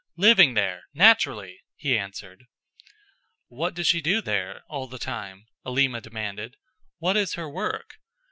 Living there naturally," he answered. "What does she do there all the time?" Alima demanded. "What is her work?"